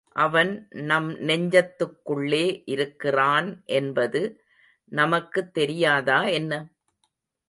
அவன் நம் நெஞ்சத்துக்குள்ளே இருக்கிறான் என்பது நமக்குத் தெரியாதா என்ன?